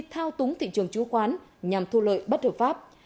thao túng thị trường chứng khoán nhằm thu lợi bất hợp pháp